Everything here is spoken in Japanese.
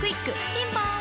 ピンポーン